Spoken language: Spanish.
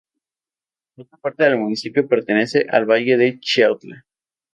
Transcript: Otra parte del municipio pertenece al Valle de Chiautla.